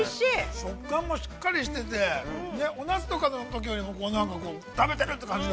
◆食感もしっかりしてておナスとかのときよりも食べてるという感じが。